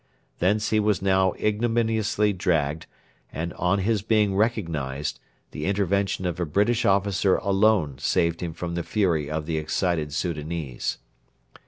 Thence he was now ignominiously dragged, and, on his being recognised, the intervention of a British officer alone saved him from the fury of the excited Soudanese.